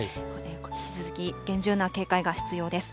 引き続き厳重な警戒が必要です。